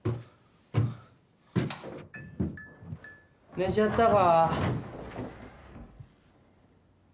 寝ちゃったか？